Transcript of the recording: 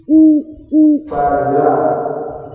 Faaziraa.